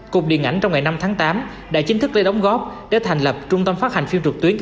cục điện ảnh trong ngày năm tháng tám đã chính thức lấy đóng góp để thành lập trung tâm phát hành phim trực tuyến